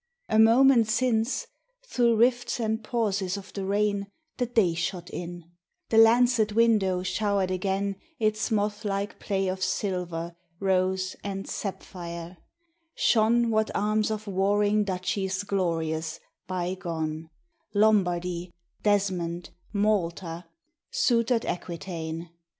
A moment since, through rifts and pauses of the rain, The day shot in; the lancet window showered again Its moth like play of silver, rose, and sapphire; shone What arms of warring duchies glorious, bygone: Lombardy, Desmond, Malta, suitored Aquitaine!